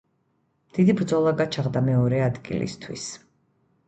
დიდი ბრძოლა გაჩაღდა მეორე ადგილისათვის.